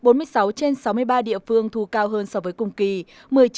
bốn mươi sáu trên sáu mươi ba địa phương thu cao hơn so với cùng kỳ